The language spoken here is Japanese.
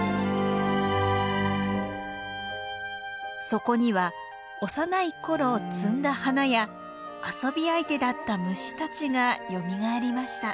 そこには幼い頃摘んだ花や遊び相手だった虫たちがよみがえりました。